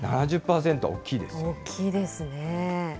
７０％、大きいですよ。